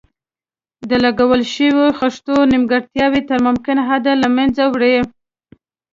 د لګول شویو خښتو نیمګړتیاوې تر ممکن حده له منځه وړي.